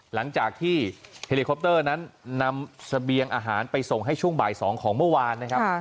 หลังจากที่เฮลิคอปเตอร์นั้นนำเสบียงอาหารไปส่งให้ช่วงบ่าย๒ของเมื่อวานนะครับ